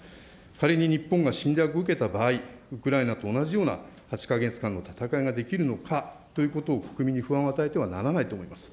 仮に日本が侵略を受けた場合、ウクライナと同じような８か月間の戦いができるのかということを国民に不安を与えてはならないと思います。